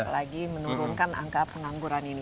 lagi menurunkan angka pengangguran ini